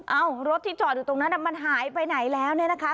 รถที่จอดอยู่ตรงนั้นมันหายไปไหนแล้วเนี่ยนะคะ